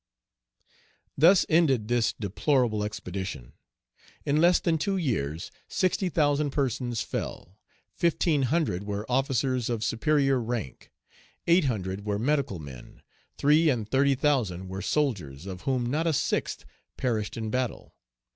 Thus ended this deplorable expedition. In less than two years, sixty thousand persons fell; fifteen hundred were officers of superior rank; eight hundred were medical men; three and thirty thousand were soldiers, of whom not a sixth perished in battle.